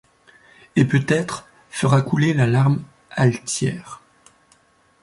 Et peut-être fera couler la larme altière